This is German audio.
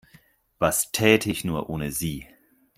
Was täte ich nur ohne Sie?